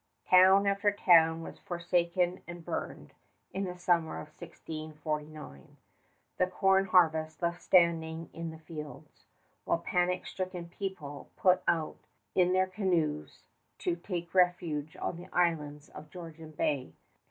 Town after town was forsaken and burned in the summer of 1649, the corn harvest left standing in the fields, while the panic stricken people put out in their canoes to take refuge on the islands of Georgian Bay.